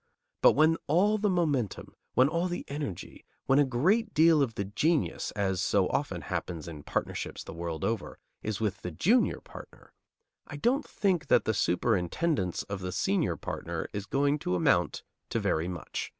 But when all the momentum, when all the energy, when a great deal of the genius, as so often happens in partnerships the world over, is with the junior partner, I don't think that the superintendence of the senior partner is going to amount to very much.